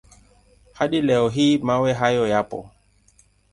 Hadi leo hii mawe hayo yapo.